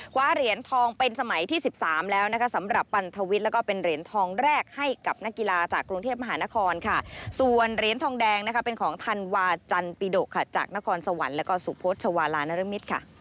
เหรียญทองเป็นสมัยที่๑๓แล้วนะคะสำหรับปันทวิทย์แล้วก็เป็นเหรียญทองแรกให้กับนักกีฬาจากกรุงเทพมหานครค่ะส่วนเหรียญทองแดงนะคะเป็นของธันวาจันปิดกค่ะจากนครสวรรค์แล้วก็สุพธชวาลานรมิตรค่ะ